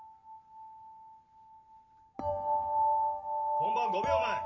本番５秒前。